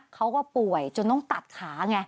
เขาก็ป่วยจนต้องตัดขาไง